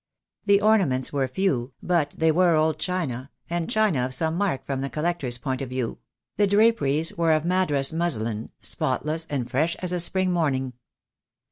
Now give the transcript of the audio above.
The ornaments were few, but they were old china, and china of some mark from the collector's point of view; the draperies were of Madras muslin, spotless, and fresh as a spring morning.